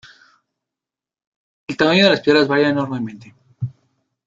El tamaño de las piedras varía enormemente.